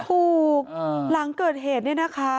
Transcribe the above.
หลังเกิดเหตุเนี่ยนะคะ